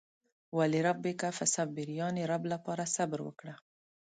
ولربک فاصبر يانې رب لپاره صبر وکړه.